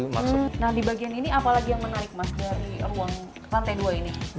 nah di bagian ini apalagi yang menarik mas dari ruang lantai dua ini